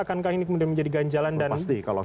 akankah ini kemudian menjadi ganjalan dan sitra buruk